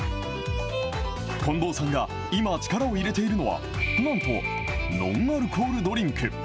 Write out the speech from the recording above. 近藤さんが今、力を入れているのは、なんとノンアルコールドリンク。